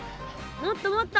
もっともっと。